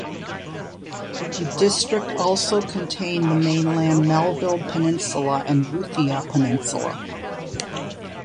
The district also contained the mainland Melville Peninsula and Boothia Peninsula.